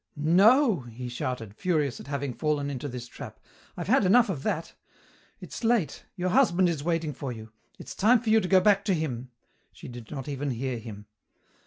"No!" he shouted, furious at having fallen into this trap. "I've had enough of that. It's late. Your husband is waiting for you. It's time for you to go back to him " She did not even hear him.